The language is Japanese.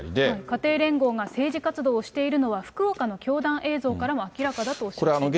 家庭連合が政治活動をしているのは、福岡の教団映像からも明らかだとおっしゃっています。